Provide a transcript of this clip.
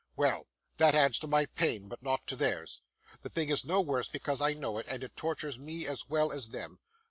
Well, that adds to my pain, but not to theirs. The thing is no worse because I know it, and it tortures me as well as them.